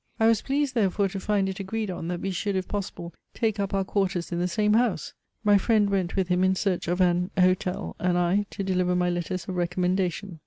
I was pleased therefore to find it agreed on, that we should, if possible, take up our quarters in the same house. My friend went with him in search of an hotel, and I to deliver my letters of recommendation.